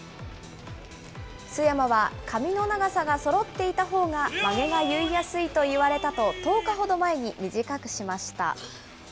須山は髪の長さがそろっていたほうがまげが結いやすいといわれたと、１０日ほど前に短くしました。